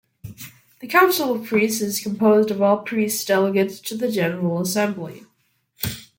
The Council of Priests is composed of all priest-delegates to the General Assembly.